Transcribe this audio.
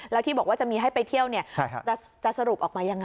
แล้วที่บอกว่าจะมีให้ไปเที่ยวจะสรุปออกมายังไง